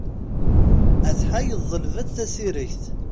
Atḥa yeḍleb-d tasiregt.